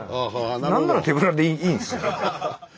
何なら手ぶらでいいんですよ。